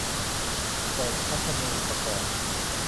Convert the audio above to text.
โสตทัศนูปกรณ์